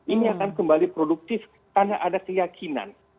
ini akan kembali produktif karena ada keyakinan